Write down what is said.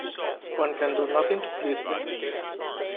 One can do nothing to please them.